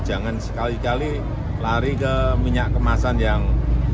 jangan sekali kali lari ke minyak kemasan yang